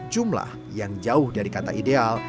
jumlah yang jauh dari kata ideal